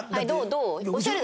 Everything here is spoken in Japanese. どう？